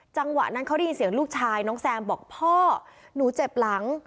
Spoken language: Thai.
จังหวะนั้นเขาได้ยินเสียงลูกชายน้องแซมบอกพ่อหนูเจ็บหลัง